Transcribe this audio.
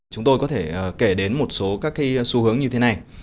chúng tôi có thể kể đến một số các xu hướng như thế này